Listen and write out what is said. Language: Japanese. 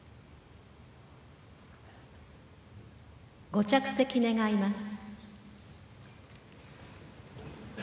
ご着席願います。